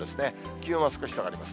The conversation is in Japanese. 気温は少し下がります。